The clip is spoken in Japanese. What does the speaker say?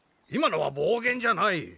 今のは暴言じゃない。